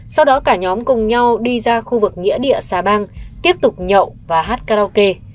sau đó cả nhóm cùng nhau đi ra khu vực nghĩa địa xà bang tiếp tục nhậu và hát karaoke